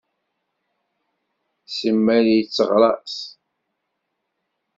Simmal yetteɣṛas.